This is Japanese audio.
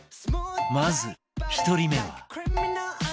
まず１人目は